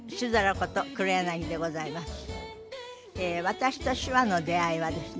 私と手話の出会いはですね